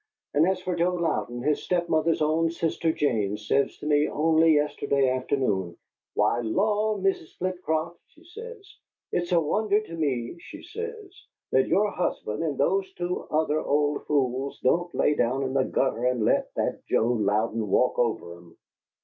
And as for Joe Louden, his step mother's own sister, Jane, says to me only yesterday afternoon, 'Why, law! Mrs. Flitcroft,' she says, 'it's a wonder to me,' she says, 'that your husband and those two other old fools don't lay down in the gutter and let that Joe Louden walk over 'em.'"